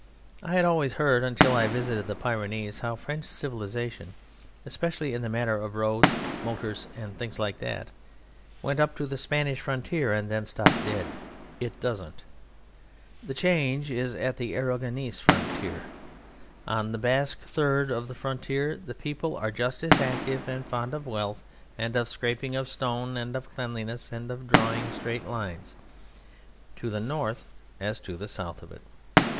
I had always heard until I visited the Pyrenees how French civilization (especially in the matter of roads, motors, and things like that) went up to the "Spanish" frontier and then stopped dead. It doesn't. The change is at the Aragonese frontier. On the Basque third of the frontier the people are just as active and fond of wealth, and of scraping of stone and of cleanliness, and of drawing straight lines, to the north as to the south of it.